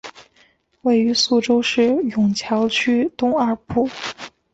位于宿州市埇桥区东二铺。